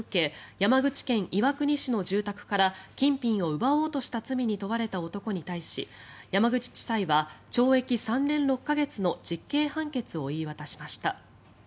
山口県岩国市の住宅から金品を奪おうとした罪に問われた男に対し山口地裁は懲役３年６か月の実刑判決を言い渡しました。